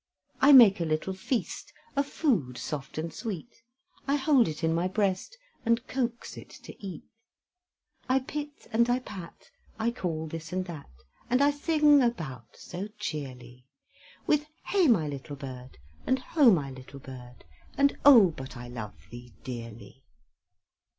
I make a little feast Of food soft and sweet, I hold it in my breast, And coax it to eat; I pit, and I pat, I call this and that, And I sing about so cheerly, With "Hey, my little bird, And ho! my little bird, And oh! but I love thee dearly!"